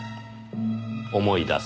「思い出す。